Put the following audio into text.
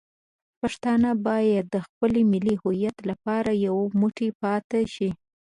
پښتانه باید د خپل ملي هویت لپاره یو موټی پاتې شي.